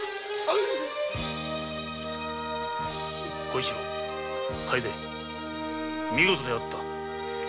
小一郎楓見事であった。